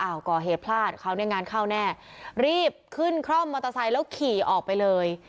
ก่อเหตุพลาดเขาในงานเข้าแน่รีบขึ้นคร่อมมอเตอร์ไซค์แล้วขี่ออกไปเลย